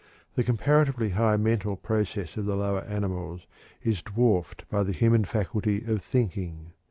The comparatively high mental process of the lower animals is dwarfed by the human faculty of "thinking."